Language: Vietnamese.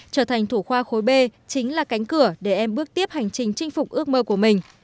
trở thành thủ khoa khối b chính là cánh cửa để em bước tiếp hành trình chinh phục ước mơ của mình